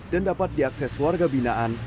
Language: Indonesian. dan dapat diakses warga binaan